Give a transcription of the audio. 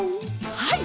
はい！